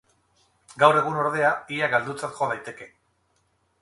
Gaur egun, ordea, ia galdutzat jo daiteke.